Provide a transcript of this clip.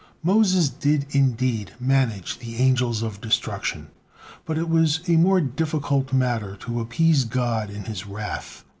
Moses did indeed manage the Angels of Destruction, but it was a more difficult matter to appease God in His wrath.